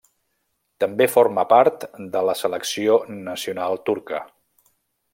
També forma part de la selecció nacional turca.